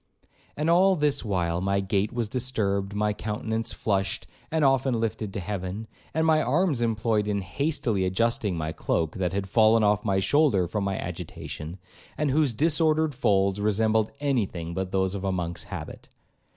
And all this while my gait was disturbed, my countenance flushed, and often lifted to heaven, and my arms employed in hastily adjusting my cloak, that had fallen off my shoulder from my agitation, and whose disordered folds resembled any thing but those of a Monk's habit.